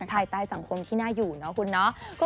ภายใต้สังคมที่น่าอยู่เนาะคุณเนาะ